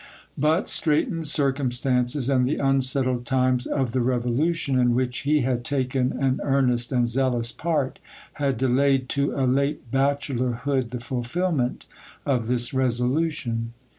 But straitened circumstances, and the unsettled times of the Revolution, in which he had taken an earnest and zealous part, had delayed to a late bachelorhood the fulfilment of this resolution.